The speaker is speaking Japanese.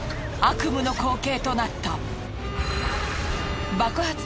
悪夢の光景となった。